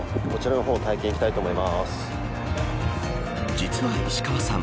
実は石川さん